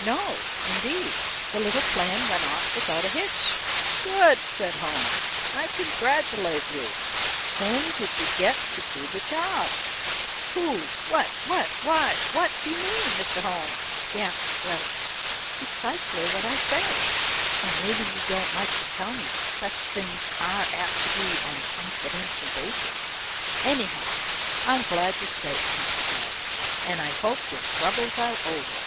"No, indeed. The little plan when off without a hitch." "Good," said Holmes. "I congratulate you. Whom did you get to do the job?" "Who what what why, what do you mean, Mr. Holmes?" gasped Grouch. "Precisely what I say or maybe you don't like to tell me such things are apt to be on a confidential basis. Anyhow, I'm glad you're safe, Mr. Grouch, and I hope your troubles are over."